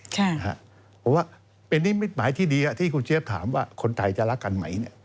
เพราะว่าเป็นนิมิตหมายที่ดีที่คุณเชฟถามว่าคนไทยจะรักกันไหม